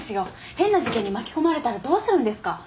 変な事件に巻き込まれたらどうするんですか？